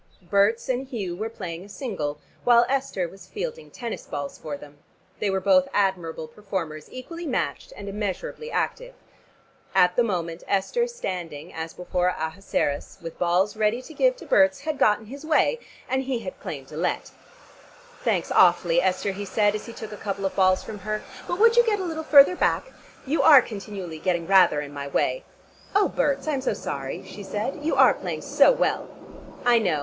Berts and Hugh were playing a single, while Esther was fielding tennis balls for them. They were both admirable performers, equally matched and immeasurably active. At the moment Esther standing, as before Ahasuerus, with balls ready to give to Berts, had got in his way, and he had claimed a let. "Thanks awfully, Esther," he said, as he took a couple of balls from her, "but would you get a little further back? You are continually getting rather in my way." "Oh, Berts, I'm so sorry," she said. "You are playing so well!" "I know.